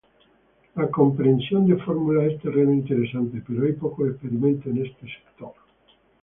La comprensión de fórmulas es terreno interesante pero hay pocos experimentos en este sector.